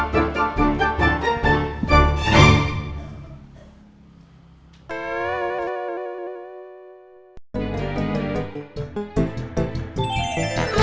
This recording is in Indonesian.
kendaraan negen berubah